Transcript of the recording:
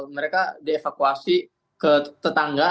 mereka dievakuasi ke tetangga